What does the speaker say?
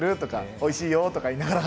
おいしいよ、と言いながら。